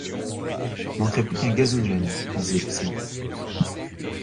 Manquerait plus qu’un gazogène, disait Lucien.